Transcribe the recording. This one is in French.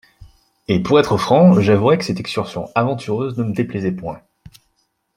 Et, pour être franc, j’avouerai que cette excursion aventureuse ne me déplaisait point.